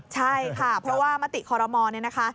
ใช่ค่ะเพราะว่ามติคอรมอลเนี่ยนะคะ